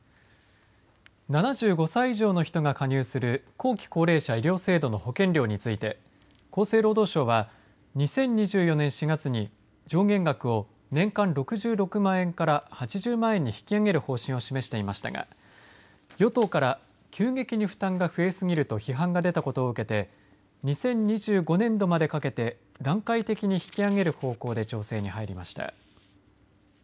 ７５歳以上の人が加入する後期高齢者医療制度の保険料について厚生労働省は２０２４年４月に上限額を年間６６万円から８０万円に引き上げる方針を示していましたが与党から急激に負担が増えすぎると批判が出たことを受けて２０２５年度までかけて段階的に引き上げる方向で調整に入りました。